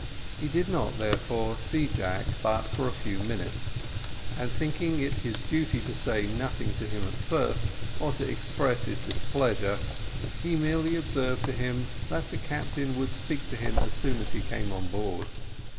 He did not therefore see Jack but for a few minutes, and thinking it his duty to say nothing to him at first, or to express his displeasure, he merely observed to him that the captain would speak to him as soon as he came on board.